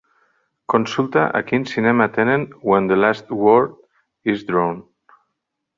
Consulta a quin cinema tenen When the Last Sword is Drawn.